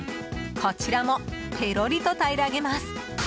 こちらもペロリと平らげます。